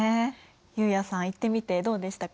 悠也さん行ってみてどうでしたか？